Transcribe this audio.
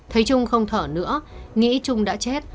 thấy trung không thở nữa nghĩ trung đã chết